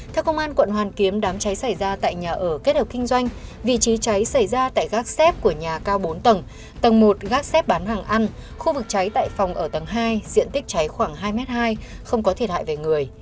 theo công an quận hoàn kiếm đám cháy xảy ra tại nhà ở kết hợp kinh doanh vị trí cháy xảy ra tại gác xếp của nhà cao bốn tầng tầng một gác xếp bán hàng ăn khu vực cháy tại phòng ở tầng hai diện tích cháy khoảng hai m hai không có thiệt hại về người